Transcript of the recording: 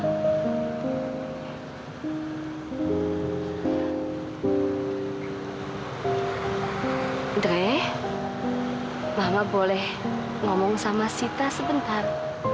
andre bahwa boleh ngomong sama sita sebentar